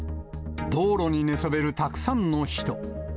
道路に寝そべるたくさんの人。